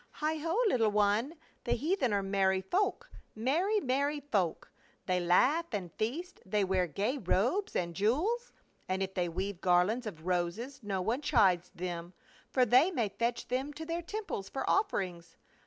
Heigho, little one, the heathen are merry folk — merry, merry folk. They laugh and feast, they wear gay robes and jewels, and if they weave garlands of roses no one chides them, for they may fetch them to their temples for offerings.